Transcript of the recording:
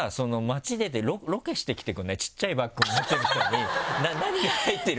小っちゃいバッグ持ってる人に何が入ってるか。